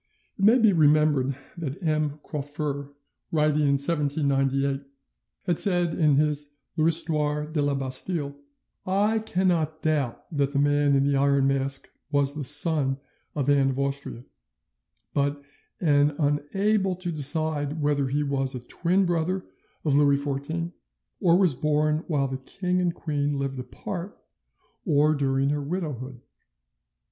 It may be remembered that M. Crawfurd writing in 1798 had said in his 'Histoire de la Bastille' (8vo, 474 pages), "I cannot doubt that the Man in the Iron Mask was the son of Anne of Austria, but am unable to decide whether he was a twin brother of Louis XIV or was born while the king and queen lived apart, or during her widowhood."